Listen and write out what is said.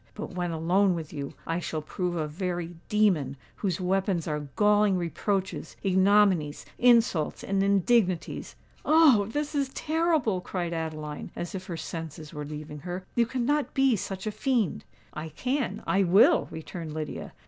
But when alone with you, I shall prove a very demon, whose weapons are galling reproaches, ignominies, insults, and indignities." "Oh! this is terrible!" cried Adeline, as if her senses were leaving her. "You cannot be such a fiend." "I can—I will!" returned Lydia.